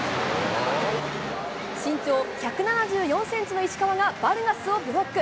身長１７４センチの石川がバルガスをブロック。